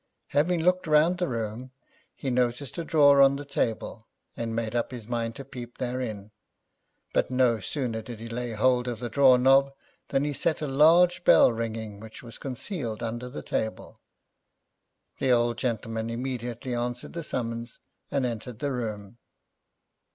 Having looked round the room, he noticed a drawer on the table, and made up his mind to peep therein, but no sooner did he lay hold of the drawer knob than he set a large bell ringing which was concealed under the table. The old gentleman immediately answered the summons, and entered the room.